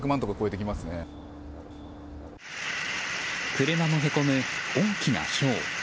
車もへこむ、大きなひょう。